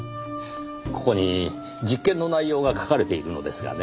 ここに実験の内容が書かれているのですがね